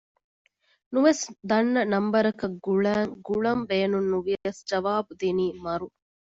ނުވެސް ދަންނަ ނަންބަރަކަށް ގުޅައިން ގުޅަން ބޭނުން ނުވިޔަސް ޖަވާބު ދިނީ މަރު